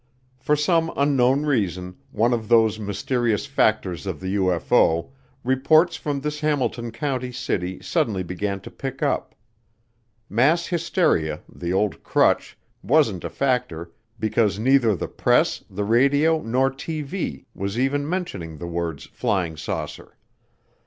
For some unknown reason, one of those mysterious factors of the UFO, reports from this Hamilton County city suddenly began to pick up. Mass hysteria, the old crutch, wasn't a factor because neither the press, the radio nor TV was even mentioning the words "flying saucer."